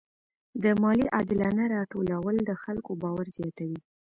د مالیې عادلانه راټولول د خلکو باور زیاتوي.